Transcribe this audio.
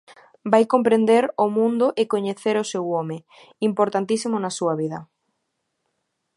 Vai comprender o mundo e coñecer o seu home, importantísimo na súa vida.